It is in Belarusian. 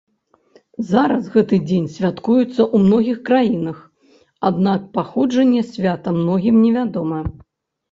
Зараз гэты дзень святкуецца ў многіх краінах, аднак паходжанне свята многім невядома.